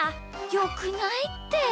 よくないって！